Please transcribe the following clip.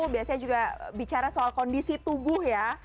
biasanya juga bicara soal kondisi tubuh ya